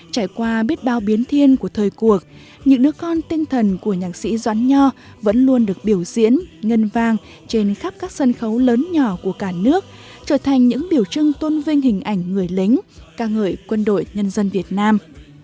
trải qua biết bao biến thiên của thời cuộc những đứa con tinh thần của nhạc sĩ doãn nho vẫn luôn được biểu diễn ngân vang trên khắp các sân khấu lớn nhỏ của cả nước trở thành những biểu trưng tôn vinh hình ảnh người lính ca ngợi quân đội nhân dân việt nam